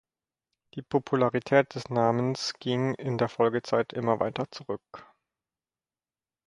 Die Popularität des Namens ging in der Folgezeit immer weiter zurück.